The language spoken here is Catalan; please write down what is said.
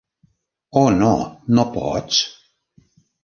Oh no! No pots?